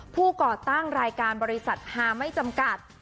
ก่อตั้งรายการบริษัทฮาไม่จำกัด